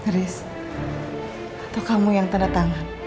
grace atau kamu yang tanda tangan